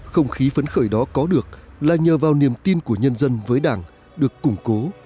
không khí phấn khởi đó có được là nhờ vào niềm tin của nhân dân với đảng được củng cố